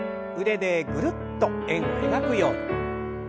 腕でぐるっと円を描くように。